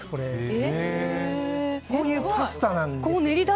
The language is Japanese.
こういうパスタなんです。